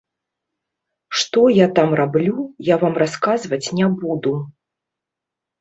Што я там раблю, я вам расказваць не буду.